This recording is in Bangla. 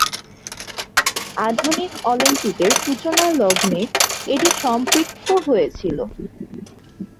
আধুনিক অলিম্পিকের সূচনালগ্নে এটি সম্পৃক্ত হয়েছিল।